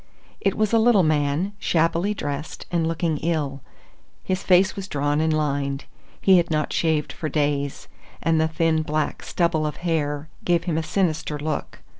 It was a little man, shabbily dressed, and looking ill. His face was drawn and lined; he had not shaved for days, and the thin, black stubble of hair gave him a sinister look.